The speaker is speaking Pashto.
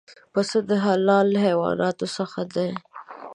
پسه د حلال حیواناتو څخه دی.